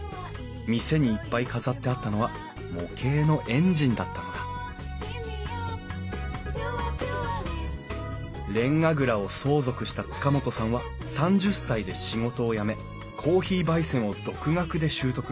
店にいっぱい飾ってあったのは模型のエンジンだったのだれんが蔵を相続した塚本さんは３０歳で仕事を辞めコーヒーばい煎を独学で習得。